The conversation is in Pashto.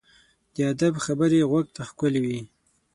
د ادب خبرې غوږ ته ښکلي وي.